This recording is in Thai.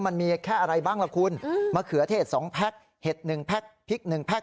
มันมีแค่อะไรบ้างล่ะคุณมะเขือเทศ๒แพ็คเห็ด๑แพ็คพริก๑แพ็ค